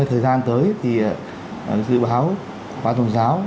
thời gian tới thì dự báo bác dòng giáo